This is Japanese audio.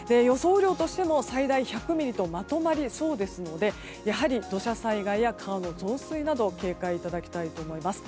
雨量としても最大１００ミリとまとまりそうですので土砂災害や川の増水などに警戒いただきたいと思います。